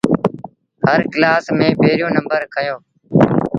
هر ڪلآس ميݩ پيريوݩ نمبر کنيو۔